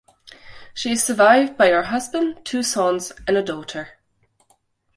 She is survived by her husband, two sons and a daughter.